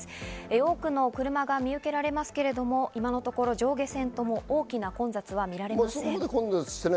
多くの車が見受けられますが、今のところ上下線とも大きな混雑は見られません。